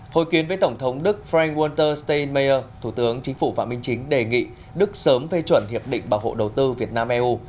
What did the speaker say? hội kiến với tổng thống đức frank walter steinmeier thủ tướng chính phủ phạm minh chính đề nghị đức sớm phê chuẩn hiệp định bảo hộ đầu tư việt nam eu